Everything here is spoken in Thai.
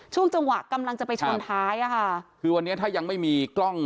ช่วงจังหวะกำลังจะไปชนท้ายอ่ะค่ะคือวันนี้ถ้ายังไม่มีกล้อง